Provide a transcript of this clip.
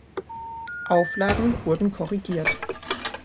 Auflage wurden korrigiert.